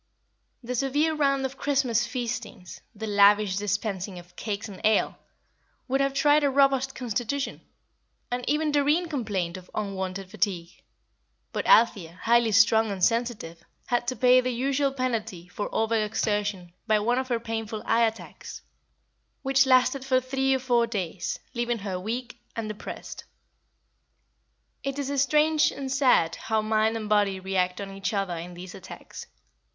The severe round of Christmas feastings, the lavish dispensing of cakes and ale, would have tried a robust constitution, and even Doreen complained of unwonted fatigue; but Althea, highly strung and sensitive, had to pay the usual penalty for over exertion by one of her painful eye attacks, which lasted for three or four days, leaving her weak and depressed. It is strange and sad how mind and body react on each other in these attacks.